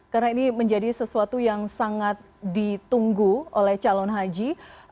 karena ini menjadi sesuatu yang sangat ditunggu oleh calon haji